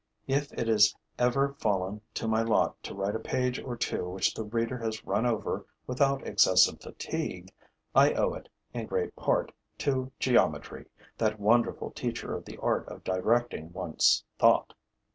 If it has ever fallen to my lot to write a page or two which the reader has run over without excessive fatigue, I owe it, in great part, to geometry, that wonderful teacher of the art of directing one's thought.